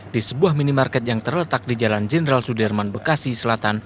di sebuah minimarket yang terletak di jalan jenderal sudirman bekasi selatan